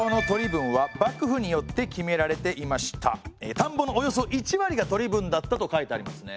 田んぼのおよそ１割が取り分だったと書いてありますね。